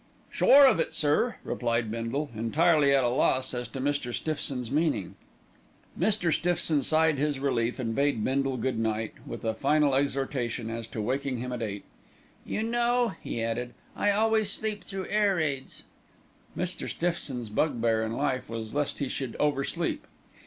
"Sure of it, sir," replied Bindle, entirely at a loss as to Mr. Stiffson's meaning. Mr. Stiffson sighed his relief and bade Bindle good night, with a final exhortation as to waking him at eight. "You know," he added, "I always sleep through air raids." Mr. Stiffson's bugbear in life was lest he should over sleep.